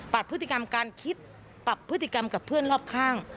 พฤติกรรมการคิดปรับพฤติกรรมกับเพื่อนรอบข้าง